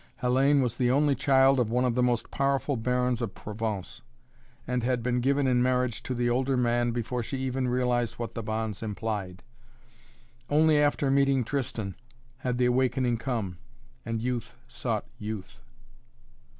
Hellayne was the only child of one of the most powerful barons of Provence, and had been given in marriage to the older man before she even realized what the bonds implied. Only after meeting Tristan had the awakening come, and youth sought youth.